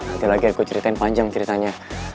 nanti lagi aku ceritain panjang ceritanya